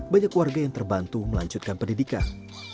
banyak warga yang terbantu melanjutkan pendidikan